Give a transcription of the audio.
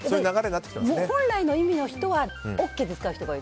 本来の意味の人はＯＫって使う人が多い。